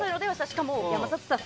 しかも山里さん